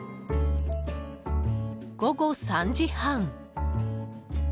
午後３時半。